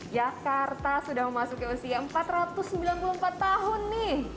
jakarta sudah memasuki usia empat ratus sembilan puluh empat tahun nih